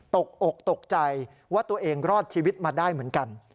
อกตกใจว่าตัวเองรอดชีวิตมาได้เหมือนกัน